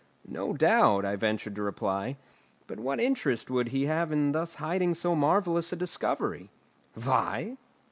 "No doubt," I ventured to reply, "but what interest would he have in thus hiding so marvellous a discovery?" "Why?